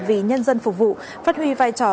vì nhân dân phục vụ phát huy vai trò